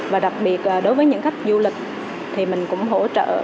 và đặc biệt đối với những khách du lịch thì mình cũng hỗ trợ